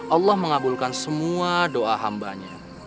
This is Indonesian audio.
allah mengabulkan semua doa hambanya